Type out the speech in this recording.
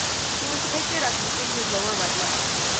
He was depicted as missing his lower right leg.